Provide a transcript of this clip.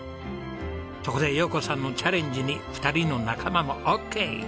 そこで陽子さんのチャレンジに２人の仲間もオッケー。